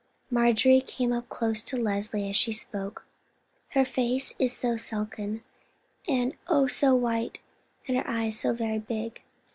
Marjorie came up close to Leslie as she spoke. "Her face is so sunken, and, oh, so white, and her eyes so very big.